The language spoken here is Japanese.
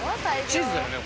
チーズだよね？